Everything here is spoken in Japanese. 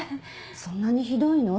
そんなにひどいの？